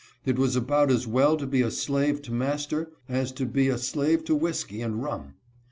It was about as well to be a slave to master, as to be a slave to whisky and rum.